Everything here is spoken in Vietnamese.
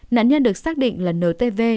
nạn nhân được xác định là ntv